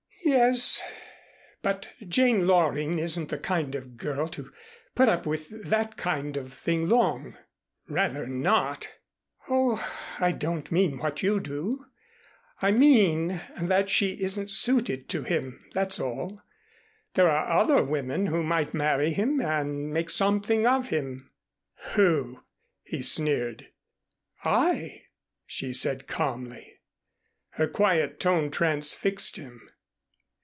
"Yes, but Jane Loring isn't the kind of a girl to put up with that kind of thing long." "Rather not!" "Oh, I don't mean what you do. I mean that she isn't suited to him, that's all. There are other women who might marry him and make something of him." "Who?" he sneered. "I," she said calmly. Her quiet tone transfixed him.